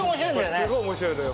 これすごい面白いのよ